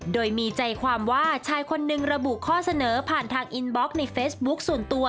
โดยมีใจความว่าชายคนนึงระบุข้อเสนอผ่านทางอินบล็อกในเฟซบุ๊คส่วนตัว